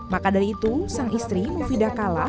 maka dari itu sang istri mufidah kala